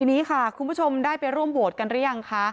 ทีนี้ค่ะคุณผู้ชมได้ไปร่วมโหวตกันหรือยังคะ